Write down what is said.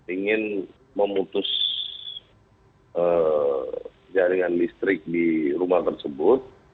ingin memutus jaringan listrik di rumah tersebut